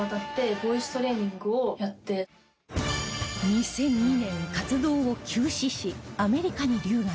２００２年活動を休止しアメリカに留学